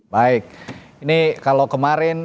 baik ini kalau kemarin